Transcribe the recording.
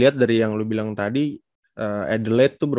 terus juga ada ayu